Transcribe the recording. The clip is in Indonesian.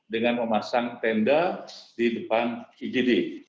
dengan memasang tenda di depan igd